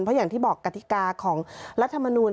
เพราะอย่างที่บอกกติกาของรัฐมนูล